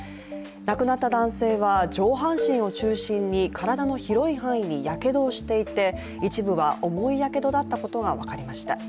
亡くなった男性は上半身を中心に体の広い範囲にやけどをしていて一部は重いやけどだったことが分かりました。